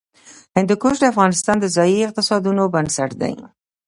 هندوکش د افغانستان د ځایي اقتصادونو بنسټ دی.